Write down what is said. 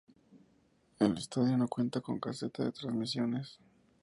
El estadio no cuenta con caseta de transmisiones.